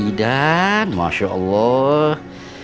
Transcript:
idan masya allah